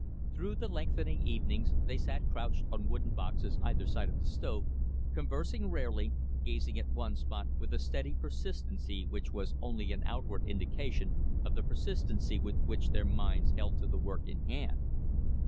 Through the lengthening evenings they sat crouched on wooden boxes either side of the stove, conversing rarely, gazing at one spot with a steady persistency which was only an outward indication of the persistency with which their minds held to the work in hand.